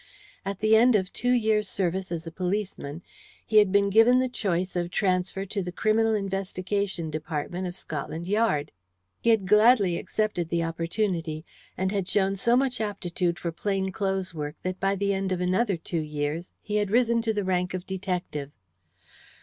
At the end of two years' service as a policeman he had been given the choice of transfer to the Criminal Investigation Department of Scotland Yard. He had gladly accepted the opportunity, and had shown so much aptitude for plain clothes work that by the end of another two years he had risen to the rank of detective.